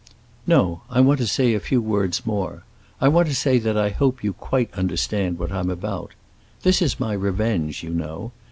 "No, I want to say a few words more. I want to say that I hope you quite understand what I'm about. This is my revenge, you know.